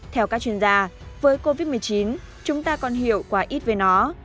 theo các chuyên gia với covid một mươi chín chúng ta còn hiểu quá ít về nó